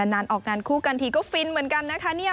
นานออกงานคู่กันทีก็ฟินเหมือนกันนะคะ